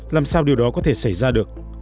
làm sao điều đó có thể xảy ra được